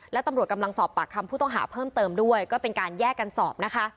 และตำรวจกำลังสอบปากคำผู้ต้องหาเพิ่มเติมด้วยก็เป็นการแยกกันสอบนะคะ